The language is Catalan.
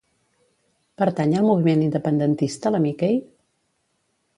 Pertany al moviment independentista la Mikey?